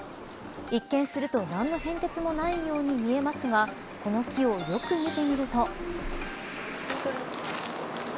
一見すると何の変哲もないように見えますがこの木をよく見てみると。